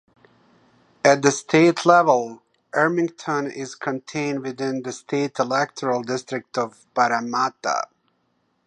At the state level Ermington is contained within the State Electoral District Of Parramatta.